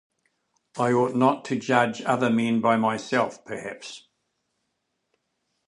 I ought not to judge other men by myself, perhaps.